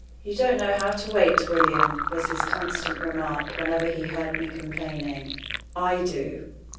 "You don't know how to wait, William," was his constant remark whenever he heard me complaining. "I do."